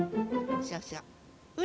そうそう。